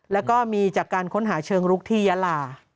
แล้วก็มีจากการค้นหาเชิงลุกที่ยาลา